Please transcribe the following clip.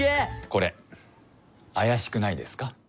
これあやしくないですか？